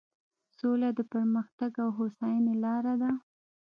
سوله د پرمختګ او هوساینې لاره ده.